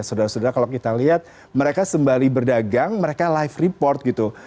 sudah sudah kalau kita lihat mereka sembali berdagang mereka live report gitu